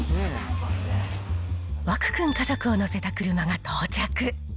湧くん家族を乗せた車が到着。